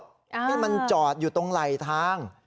ให้มันจอดอยู่ตรงไหลทาง